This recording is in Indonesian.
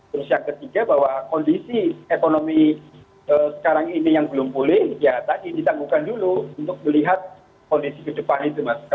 terus yang ketiga bahwa kondisi ekonomi sekarang ini yang belum pulih ya tadi ditangguhkan dulu untuk melihat kondisi ke depan itu mas